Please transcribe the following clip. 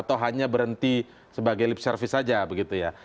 atau hanya berhenti sebagai lip service saja begitu ya